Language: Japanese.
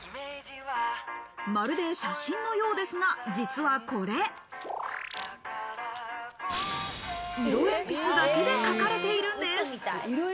まるで写真のようですが、実はこれ、色鉛筆だけで描かれているんです。